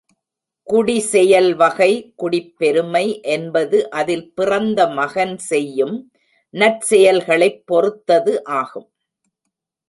குடிசெயல் வகை குடிப்பெருமை என்பது அதில் பிறந்த மகன் செய்யும் நற்செயல்களைப் பொறுத்தது ஆகும்.